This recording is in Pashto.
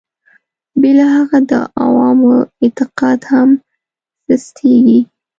بې له هغه د عوامو اعتقاد هم سستېږي.